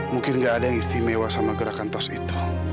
mungkin nggak ada yang istimewa sama gerakan tas itu